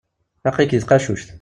Aql-ik deg tqacuct.